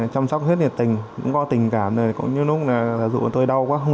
tôi rất cảm động